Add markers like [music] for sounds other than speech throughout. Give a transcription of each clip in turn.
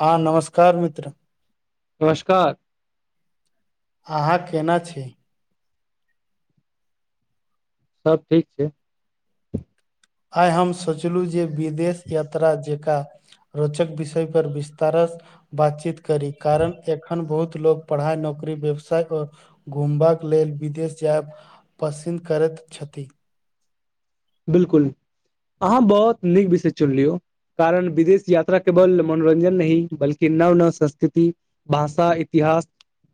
हँ नमस्कार मित्र नमस्कार अहाँ केना छी सभ ठीक छै आइ हम सोचलहुँ जे विदेश यात्रा जकाँ रोचक विषय पर विस्तार बातचीत करी कारण एखन बहुत लोक पढ़ाई नौकरी व्यवसाय आओर घुमबा लेल विदेश जायब पसिन्द करैत छथि बिल्कुल अहाँ बहुत नीक विषय चुनलियौ कारण विदेश यात्रा केवल मनोरंजन नहि बल्कि नव नव संस्कृति भाषा इतिहास इतिहास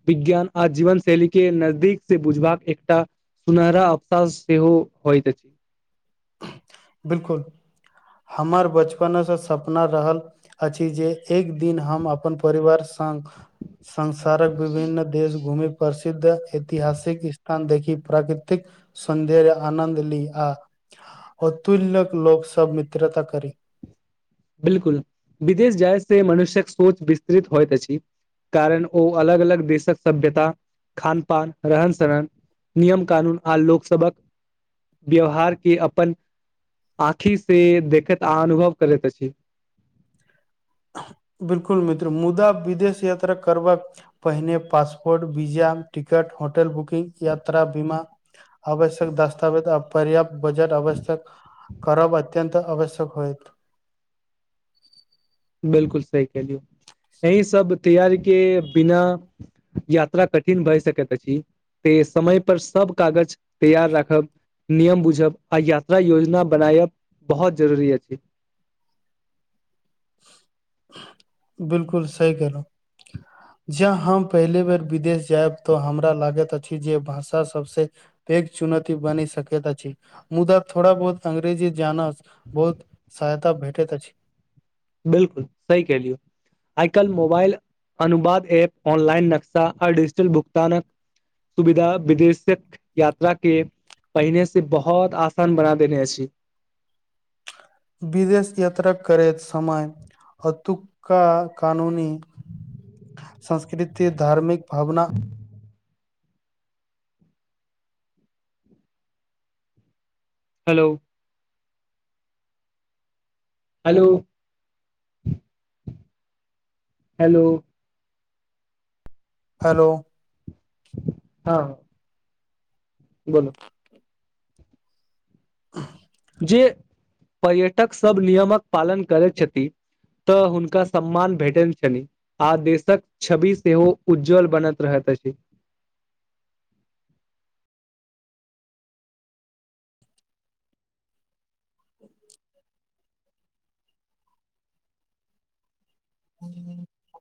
विज्ञान आ जीवन शैली के नजदीक से बुझबाक एकटा सुनहरा अफसास सेहो होइत छै बिल्कुल हमर बचपनसँ सपना रहल अछि जे एक दिन हम अपन परिवार संग संसारक विभिन्न देश घूमै पर प्रद् ऐतिहासिक स्थान देखि प्राकृतिक सौंदर्य आनन्द ली आ अतुल्य्क लोक सँ मित्रता करी बिल्कुल विदेश जाइ से मनुष्यक सोच विस्तृत होइत अछि कारण ओ अलग अलग देशक सभ्यता खान पान रहन सहन नियम कानून आर लोकसभक व्यवहार के अपन आँखि से देखैत आ अनुभव करैत अछि ठि [inaudible] बिल्कुल मित्र मुदा विदेश यात्रा करबाक पहिने passport visa ticket hotel booking यात्रा बीमा आवश्यक दस्तावेज आ पर्याप्त बजट आवश्यक करब अत्यत आवश्यक होएत बिल्कुल सही कहलियु अही सब तैयारी के बिना यात्रा कठिन भए सकैत अछि त समय पर सब कागज तैयार राखब नियम बुझब आ यात्रा योजना बनायब बहुत जरूरी अछि [inaudible] बिल्कुल सही कहलहु ज हम पहिले बेर विदेश जायब तऽ हमरा लागैत अछि जे भाषा सभसँ एक चुनौती बनी सकैत छै मुदाथोड़ा बहुत अंग्रेजी जान बहुत सहायता भेटैत अछि बिल्कुल सही कहलियौ आइ काइल मोबाइल अनुवाद ऐप ऑनलाइन नक्शा आ डिजिटल भुगतानक सुविधा विदेशक यात्रा के पहिने से बहुत आसान बना देने अछि विदेश यात्रा करैत समय अतुका कानूनी संस्कृति धार्मिक भावना हेलो हेलो हेलो हेलो हँ बोलो [inaudible] जे पर्यटक सब नियमक पालन करैत छथि तऽ हुनका सम्मान भेटन छनि आ देशक छवि सेहो उज्ज्वल बनैत रहत [unintelligible] [unintelligible]